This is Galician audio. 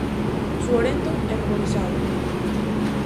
Suorento e ruborizado.